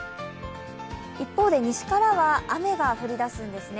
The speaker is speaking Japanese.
一方で、西からは雨が降り出すんですね。